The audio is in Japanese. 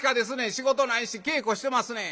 仕事ないし稽古してますねん」。